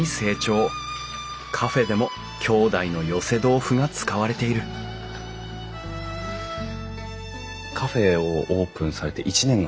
カフェでも兄弟の寄せ豆腐が使われているカフェをオープンされて１年がたったんですか？